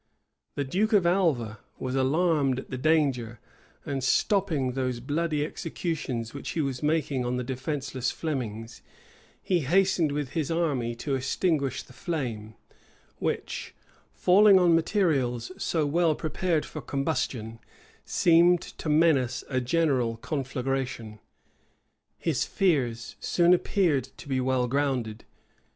The duke of Alva was alarmed at the danger; and stopping those bloody executions which he was making on the defenceless Flemings, he hastened with his army to extinguish the flame, which, falling on materials so well prepared for combustion, seemed to menace a general conflagration. His fears soon appeared to be well grounded.